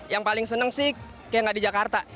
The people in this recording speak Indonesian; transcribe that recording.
yang paling senang sih kayak tidak di jakarta